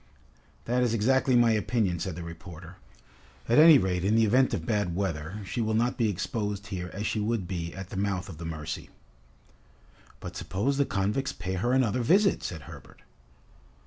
"That is exactly my opinion," said the reporter. "At any rate in the event of bad weather, she will not be exposed here as she would be at the mouth of the Mercy." "But suppose the convicts pay her another visit," said Herbert.